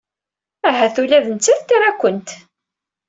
Ahat ula d nettat tra-kent.